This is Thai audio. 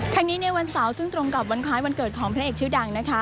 ทั้งนี้ในวันเสาร์ซึ่งตรงกับวันคล้ายวันเกิดของพระเอกชื่อดังนะคะ